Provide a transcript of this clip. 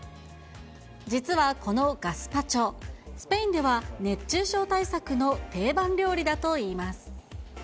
実はこのガスパチョ、スペインでは熱中症対策の定番料理だといいます。